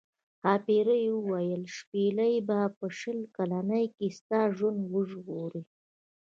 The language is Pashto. ښاپیرۍ وویل شپیلۍ به په شل کلنۍ کې ستا ژوند وژغوري.